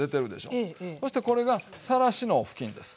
そしてこれがさらしの布巾です。